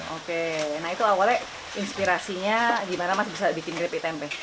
oke nah itu awalnya inspirasinya gimana mas bisa bikin keripik tempe